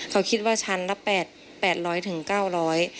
เขาคิดว่าชั้นละแปดแปดร้อยถึงเก้าร้อย